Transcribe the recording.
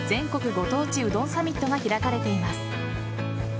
ご当地うどんサミットが開かれています。